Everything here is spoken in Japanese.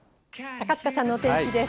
高塚さんのお天気です。